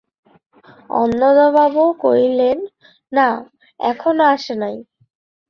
অন্নদাবাবু কহিলেন, না, এখনো আসে নাই।